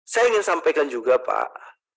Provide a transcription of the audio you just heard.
saya ingin sampaikan juga pak